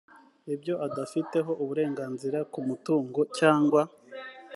ibyo adafiteho uburenganzira ku mutungo cyangwa